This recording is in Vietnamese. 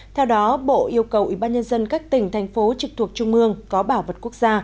theo đó bộ yêu cầu ủy ban nhân dân các tỉnh thành phố trực thuộc trung mương có bảo vật quốc gia